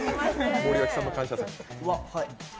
森脇さんの感謝祭。